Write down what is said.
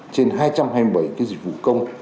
trên hai trăm hai mươi bảy dịch vụ công